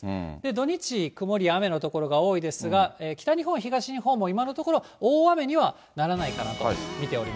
土日、曇りや雨の所が多いですが、北日本や東日本も今のところ、大雨にはならないかなと見ておりま